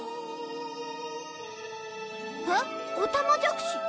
おたまじゃくし。